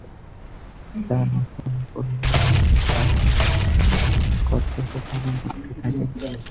সুধা নতুন পরিবারে এসে তার কর্তব্য পালন করতে থাকে।